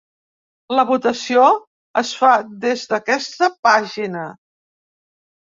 La votació es fa des d’aquesta pàgina.